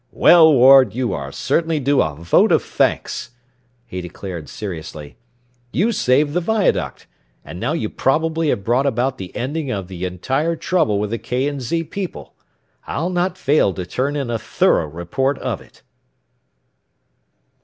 "Well, Ward, you are certainly due a vote of thanks," he declared seriously. "You saved the viaduct, and now you probably have brought about the ending of the entire trouble with the K. & Z. people. I'll not fail to turn in a thorough report of it."